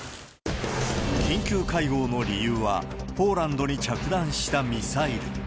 緊急会合の理由は、ポーランドに着弾したミサイル。